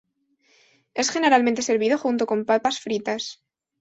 Es generalmente servido junto con papas fritas.